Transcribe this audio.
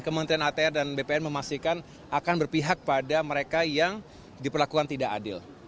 kementerian atr dan bpn memastikan akan berpihak pada mereka yang diperlakukan tidak adil